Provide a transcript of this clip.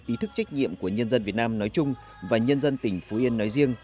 ý thức trách nhiệm của nhân dân việt nam nói chung và nhân dân tỉnh phú yên nói riêng